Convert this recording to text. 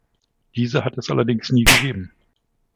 Diese hat es allerdings nie gegeben.